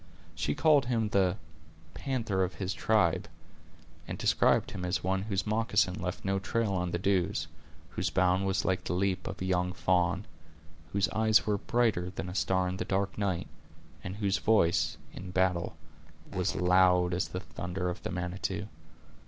She called him the "panther of his tribe"; and described him as one whose moccasin left no trail on the dews; whose bound was like the leap of a young fawn; whose eye was brighter than a star in the dark night; and whose voice, in battle, was loud as the thunder of the Manitou.